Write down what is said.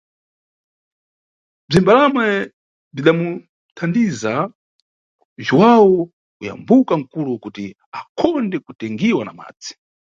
Bzimbalame bzidamuthandiza Juwawu kuyambuka nʼkulo kuti akhonde kutengiwa na madzi.